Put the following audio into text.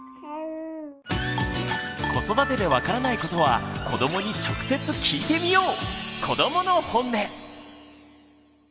子育てで分からないことは子どもに直接聞いてみよう！